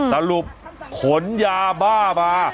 สรุปขนยาบ้ามา